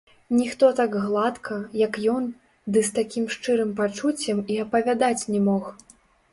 Ніхто так гладка, як ён, ды з такім шчырым пачуццем і апавядаць не мог.